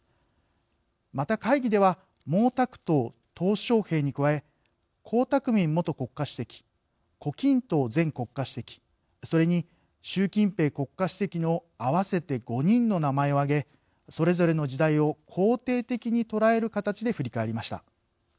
また会議では毛沢東小平に加え江沢民元国家主席胡錦涛前国家主席それに習近平国家主席の合わせて５人の名前を挙げそれぞれの時代を肯定的に捉える形で振り返りました。